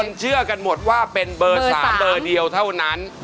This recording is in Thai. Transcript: เชื่อกันหมดว่าเป็นเบอร์๓เบอร์เดียวเท่านั้น